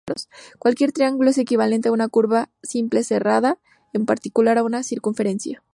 Cualquier triángulo es equivalente a una curva simple cerrada; en particular a una circunferencia.